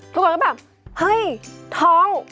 ทุกคนก็แบบเฮ้ยท้อง